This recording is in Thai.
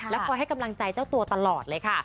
คอยให้กำลังใจเจ้าตัวตลอดเลยค่ะ